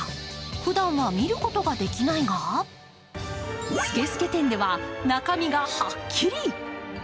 ふだんは見ることができないがスケスケ展では、中身がはっきり。